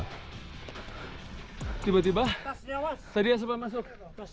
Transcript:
tiba tiba tadi asapnya masuk